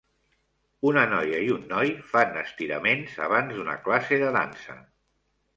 Una noia i un noi fan estiraments abans d'una classe de dansa